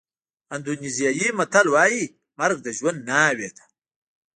اندونېزیایي متل وایي مرګ د ژوند ناوې ده.